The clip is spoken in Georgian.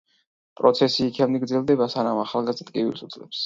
პროცესი იქამდე გრძელდება სანამ ახალგაზრდა ტკივილს უძლებს.